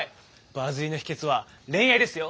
バズりの秘けつは「恋愛」ですよ！